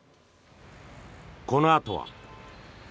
このあとは。